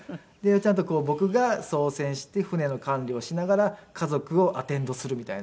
ちゃんと僕が操船して船の管理をしながら家族をアテンドするみたいな。